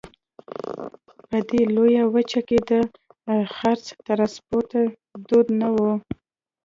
په دې لویه وچه کې د څرخ ټرانسپورت دود نه وو.